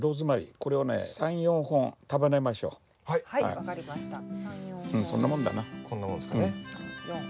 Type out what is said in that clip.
こんなもんですかね。